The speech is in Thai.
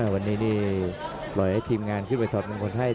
วันนี้นี่ปล่อยให้ทีมงานขึ้นไปถอดมงคลให้